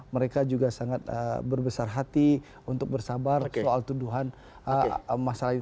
mereka juga sangat berbesar hati untuk bersabar soal tuduhan masalah ini